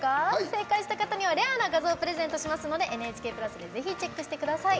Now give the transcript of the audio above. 正解した方にはレアな画像をプレゼントしますので「ＮＨＫプラス」でぜひチェックしてみてください。